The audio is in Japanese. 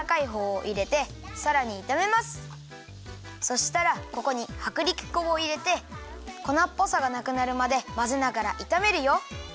そしたらここにはくりき粉をいれて粉っぽさがなくなるまでまぜながらいためるよ。